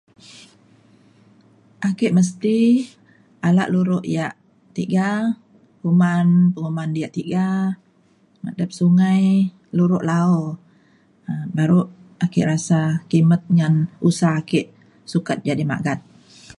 ake mesti alak lurok ya' tiga kuman penguman diak tiga madep sungai lurok la'o na baru ake rasa kimet ngan usa ake sukat jadi magat.